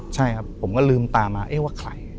ใช่ครับผมก็ลืมตามาเอ๊ะว่าใคร